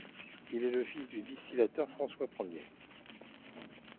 Il est le fils du distillateur François Premier.